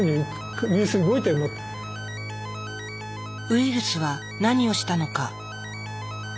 ウイルスは何をしたのか。